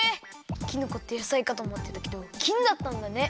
きのこって野菜かとおもってたけどきんだったんだね。